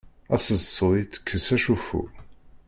Aseḍsu itekkes acuffu.